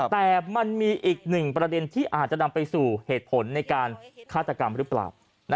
แต่มันมีอีกหนึ่งประเด็นที่อาจจะนำไปสู่เหตุผลในการฆาตกรรมหรือเปล่า